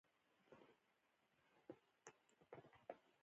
زما د پکتیکا د خلکو لهجه ډېره خوښیږي.